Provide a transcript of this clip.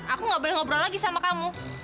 aku gak boleh ngobrol lagi sama kamu